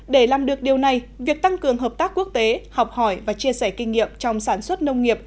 để làm được điều này việc tăng cường hợp tác quốc tế học hỏi và chia sẻ kinh nghiệm trong sản xuất nông nghiệp